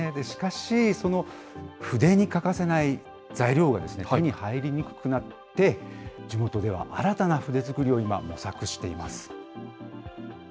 しかし、その筆に欠かせない材料が手に入りにくくなって、地元では新たな筆作りを今、模索しています。